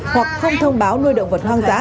hoặc không thông báo nuôi động vật hoang dã